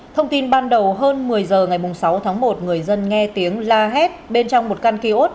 thông tin ban đầu hơn một mươi giờ ngày sáu tháng một người dân nghe tiếng la hét bên trong một căn kiosk